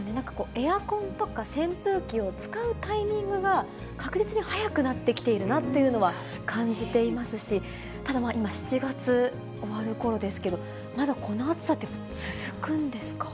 エアコンとか扇風機を使うタイミングが確実に早くなってきているなというのは、感じていますし、ただまあ、今、７月終わるころですけれど、まだこの暑さって続くんですか？